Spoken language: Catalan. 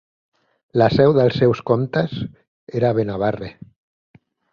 La seu dels seus comtes era a Benabarre.